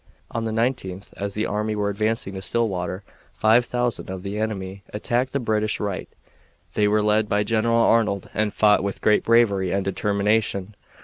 On the 19th, as the army were advancing to Stillwater, five thousand of the enemy attacked the British right. They were led by General Arnold and fought with great bravery and determination.